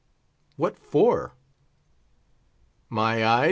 "What for?" "My eyes!